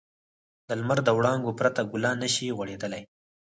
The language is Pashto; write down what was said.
د لمر د وړانګو پرته ګلان نه شي غوړېدلی.